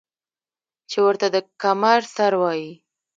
چې ورته د کمر سر وايي ـ